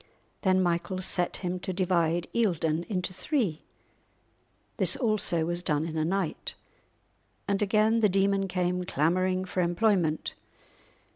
Then Michael set him to divide Eildon into three; this also was done in a night, and again the demon came clamouring for employment.